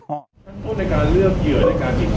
นักโทษในการเลือกเหยื่อในการที่